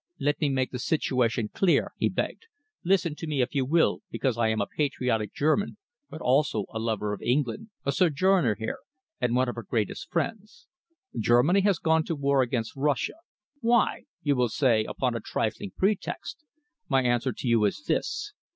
"Let me make the situation clear," he begged. "Listen to me, if you will, because I am a patriotic German but also a lover of England, a sojourner here, and one of her greatest friends. Germany has gone to war against Russia. Why? You will say upon a trifling pretext. My answer to you is this.